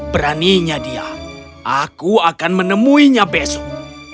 beraninya dia aku akan menemuinya besok